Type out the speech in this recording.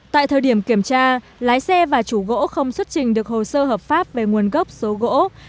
tại thời điểm kiểm tra lái xe và chủ gỗ không xuất trình được hồ sơ hợp pháp về nguồn gốc số gỗ